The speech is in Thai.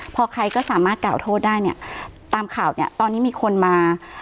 พอใครก็สามารถกล่าวโทษได้เนี่ยตามข่าวเนี่ยตอนนี้มีคนมา